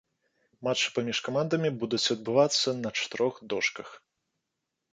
Матчы паміж камандамі будуць адбывацца на чатырох дошках.